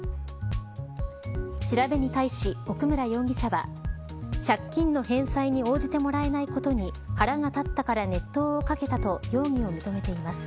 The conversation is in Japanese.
調べに対し、奥村容疑者は借金の返済に応じてもらえないことに腹が立ったから熱湯をかけたと容疑を認めています。